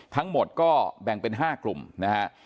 ทั้งหมดก็แบ่งเป็น๕กลุ่มนะฮะ